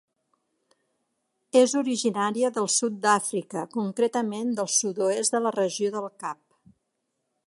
És originària del sud d'Àfrica, concretament del sud-oest de la regió del Cap.